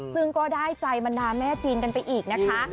ซึ่งก็ได้ใจบรรดาแม่จีนกันไปอีกนะคะ